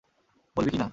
বলবি কি না?